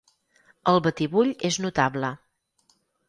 El batibull és notable.